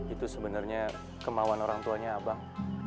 itu sebenarnya kemauan orang tuanya abang